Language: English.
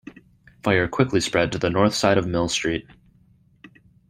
Fire quickly spread to the north side of Mill Street.